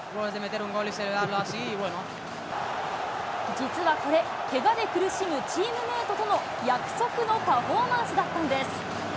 実はこれ、けがで苦しむチームメートとの約束のパフォーマンスだったんです。